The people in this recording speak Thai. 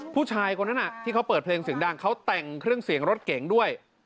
ผู้ชายคนนั้นที่เขาเปิดเพลงเสียงดังเขาแต่งเครื่องเสียงรถเก๋งด้วย